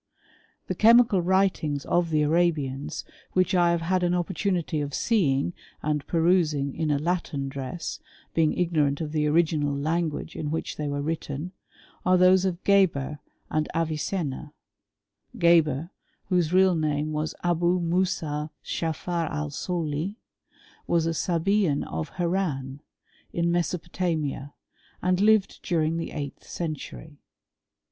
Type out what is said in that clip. The chemical writings of the Arabians which I have had an opportunity of seeing and perusing in a Latin dress, being ignorant of the original language in which they were written, are those of Geber and Avicenna, Geber, whose real name was Abou Moussah * Dschafar Al Soli, was a Sabean of Harran, in Me sopotamia, and lived during the eighth century.